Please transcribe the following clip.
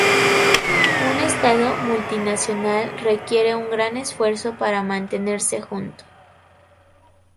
Un estado multinacional requiere un gran esfuerzo para mantenerse junto.